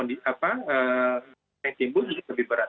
yang timbul lebih berat